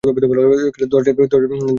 দরজা ধরে দাঁড়িয়ে আছে।